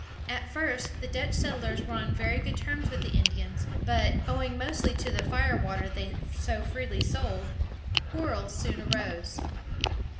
At first, the Dutch settlers were on very good terms with the Indians; but, owing mostly to the fire water they so freely sold, quarrels soon arose.